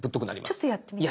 ちょっとやってみていい？